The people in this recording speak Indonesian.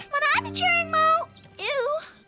mana ada cewek yang mau eww